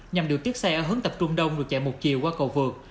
nhằm điều tiết xe ở hướng tập trung đông rồi chạy một chiều qua cầu vượt